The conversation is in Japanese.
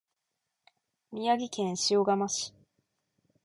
宮城県塩竈市